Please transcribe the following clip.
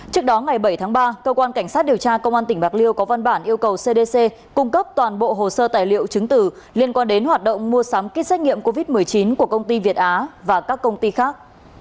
trước đó ngày bảy tháng ba cơ quan cảnh sát điều tra công an tỉnh bạc liêu có văn bản yêu cầu cdc cung cấp toàn bộ hồ sơ tài liệu chứng tử liên quan đến hoạt động mua sắm kit xét nghiệm covid một mươi chín của công ty việt á và các công ty khác